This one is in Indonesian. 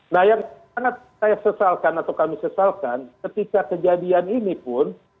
nah yang sangat saya sesalkan atau kami sesalkan ketika kejadian ini pun